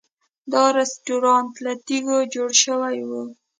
دا رسټورانټ له تیږو جوړ شوی و.